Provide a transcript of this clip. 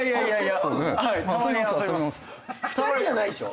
２人じゃないでしょ？